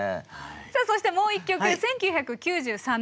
さあそしてもう一曲１９９３年